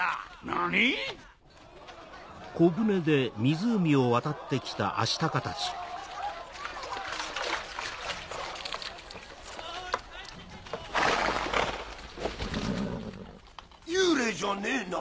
何⁉幽霊じゃねえな。